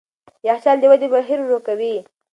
یخچال د ودې بهیر ورو کوي.